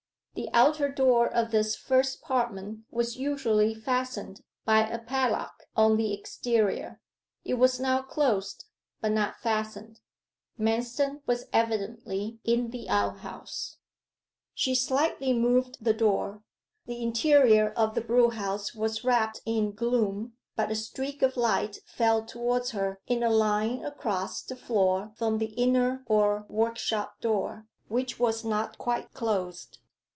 The outer door of this first apartment was usually fastened by a padlock on the exterior. It was now closed, but not fastened. Manston was evidently in the outhouse. She slightly moved the door. The interior of the brewhouse was wrapped in gloom, but a streak of light fell towards her in a line across the floor from the inner or workshop door, which was not quite closed.